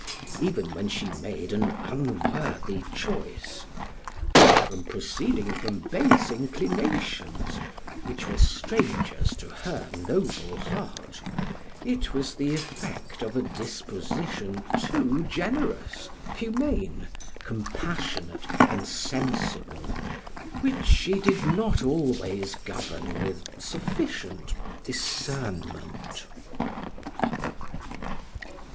Even when she made an unworthy choice, far from proceeding from base inclinations (which were strangers to her noble heart) it was the effect of a disposition too generous, humane, compassionate, and sensible, which she did not always govern with sufficient discernment.